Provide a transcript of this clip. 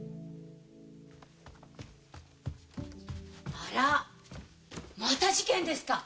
あらまた事件ですか？